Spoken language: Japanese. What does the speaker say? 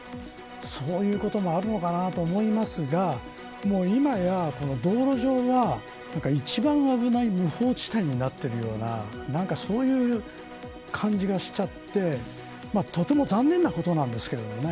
そういうこともあるのかなと思いますが今や、道路上が一番危ない無法地帯になっているようなそういう感じがしちゃってとても残念なことなんですけどね。